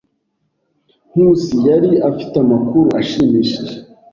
Nkusi yari afite amakuru ashimishije.